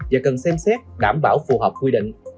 và cần xem xét đảm bảo phù hợp quy định